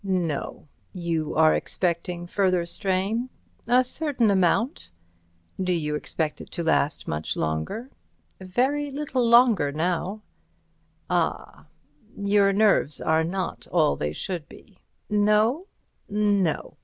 "No. You are expecting further strain?" "A certain amount." "Do you expect it to last much longer?" "Very little longer now." "Ah! Your nerves are not all they should be." "No?" "No.